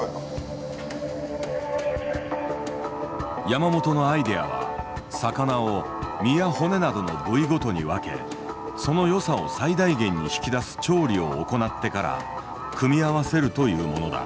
山本のアイデアは魚を身や骨などの部位ごとに分けその良さを最大限に引き出す調理を行ってから組み合わせるというものだ。